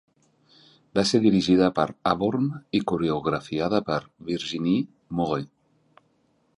Va ser dirigida per Aborn i coreografiada per Virginie Mauret.